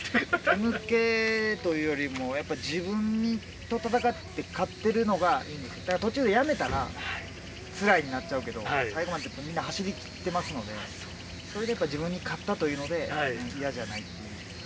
Ｍっ気というよりやっぱり自分と戦って勝ってるのが、途中でやめたらつらいになっちゃうけど、最後までみんな走り切ってますので、それでやっぱ自分に勝ったというので嫌じゃないっていう。